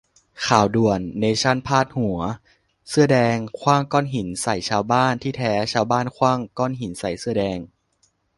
"ข่าวด่วน" : เนชั่นพาดหัว "เสื้อแดง" ขว้างก้อนหินใส่ชาวบ้าน ที่แท้ชาวบ้านขว้างก้อนหินใส่เสื้อแดง